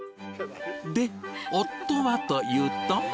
で、夫はというと。